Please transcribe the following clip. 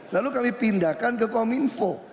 lalu kami pindahkan ke kominfo